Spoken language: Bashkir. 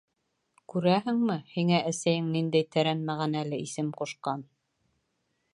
Күрәһеңме, һиңә әсәйең ниндәй тәрән мәғәнәле исем ҡушҡан.